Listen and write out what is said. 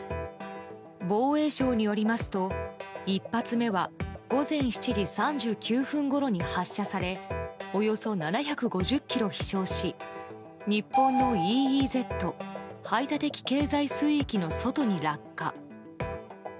防衛省によりますと、１発目は午前７時３９分ごろに発射されおよそ７５０ｋｍ飛翔し日本のＥＥＺ・排他的経済水域の外に落下。